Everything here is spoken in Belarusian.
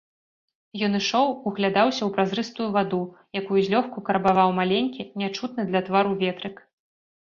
Ён ішоў, углядаўся ў празрыстую ваду, якую злёгку карбаваў маленькі, нячутны для твару ветрык.